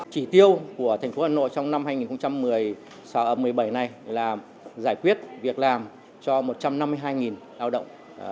chỉ tiêu của thành phố hà nội trong năm hai nghìn một mươi bảy này là giải quyết việc làm cho một trăm năm mươi hai lao động